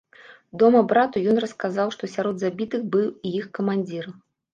Дома брату ён расказаў, што сярод забітых быў і іх камандзір.